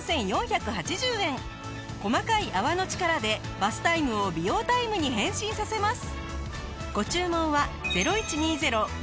細かい泡の力でバスタイムを美容タイムに変身させます。